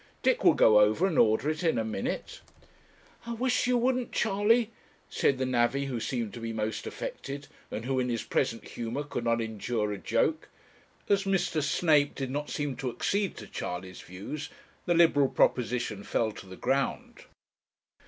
Dick will go over and order it in a minute.' 'I wish you wouldn't, Charley,' said the navvy who seemed to be most affected, and who, in his present humour, could not endure a joke, As Mr. Snape did not seem to accede to Charley's views, the liberal proposition fell to the ground.